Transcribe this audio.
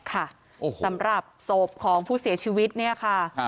สำหรับศพของผู้เสียชีวิตเนี่ยค่ะ